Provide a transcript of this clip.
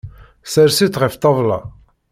Sers-itt ɣef ṭṭabla.